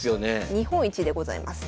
日本一でございます。